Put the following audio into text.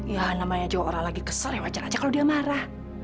ya namanya juga orang lagi kesel ya wajar aja kalau dia marah